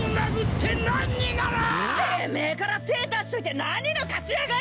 てめえから手出しといて何ぬかしやがる！